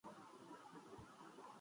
پنے راستے کی ہر رکاوٹ کو